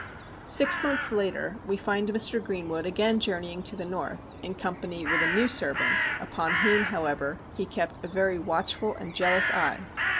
Six months later we find Mr. Greenwood again journeying to the North in company with a new servant, upon whom, however, he kept a very watchful and jealous eye.